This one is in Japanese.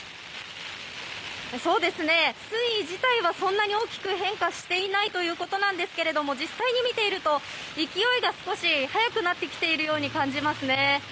水位自体はそんなに大きく変化していないということですが実際に見ていると、勢いが少し速くなってきていると感じます。